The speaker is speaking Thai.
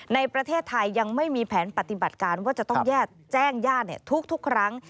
ในประเทศไทยยังไม่มีแผนปฏิบัติการว่าจะต้องแจ้งญาติทุกครั้ง